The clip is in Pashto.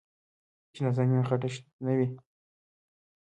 چې نازنين غټه شوې نه وي.